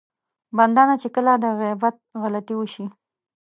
بنده نه چې کله د غيبت غلطي وشي.